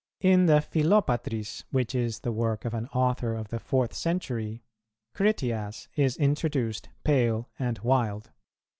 In the Philopatris, which is the work of an Author of the fourth century,[242:1] Critias is introduced pale and wild.